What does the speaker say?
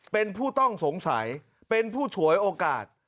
เป็นผู้ต้องสงสัยเป็นผู้ฉวยโอกาส